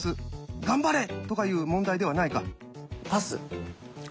頑張れ！とかいう問題ではないか。